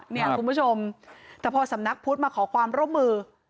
เนี่ยคุณผู้ชมแต่พอสำนักพุทธมาขอความร่วมมือ